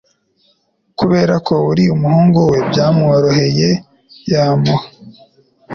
kubera ko uri umuhungu we byamoroheye yamuha